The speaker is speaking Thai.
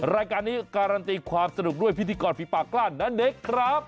รายการนี้การันตีความสนุกด้วยพิธีกรฝีปากกล้านนาเนคครับ